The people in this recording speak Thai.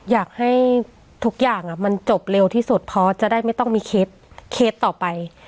อยากให้ทุกอย่างมันจบเร็วที่สุดเพราะจะได้ไม่ต้องมีเคสต่อไป